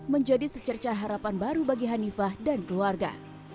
menjadi secerca harapan baru bagi hanifah dan keluarga